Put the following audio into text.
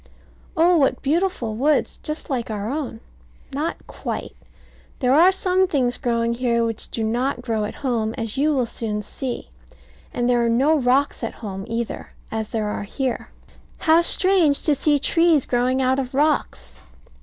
Oh, what beautiful woods, just like our own. Not quite. There are some things growing here which do not grow at home, as you will soon see. And there are no rocks at home, either, as there are here. How strange, to see trees growing out of rocks!